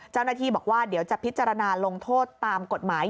เจ้าหน้าที่บอกว่าเดี๋ยวจะพิจารณาลงโทษตามกฎหมาย